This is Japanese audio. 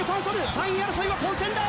３位争いは混戦だ！